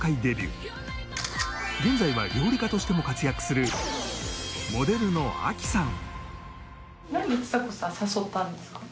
現在は料理家としても活躍するモデルの亜希さん